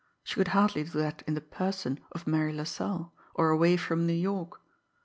She could hardly do that in the person of Marie LaSalle, or away from New York.